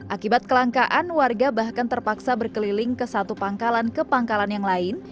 akibat kelangkaan warga bahkan terpaksa berkeliling ke satu pangkalan ke pangkalan yang lain